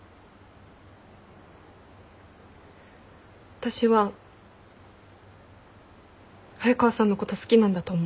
私は早川さんのこと好きなんだと思う。